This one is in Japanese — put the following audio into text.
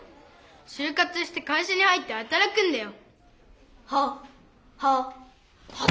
しゅう活して会社に入ってはたらくんだよ。